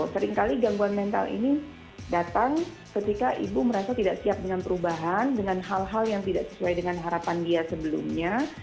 seringkali gangguan mental ini datang ketika ibu merasa tidak siap dengan perubahan dengan hal hal yang tidak sesuai dengan harapan dia sebelumnya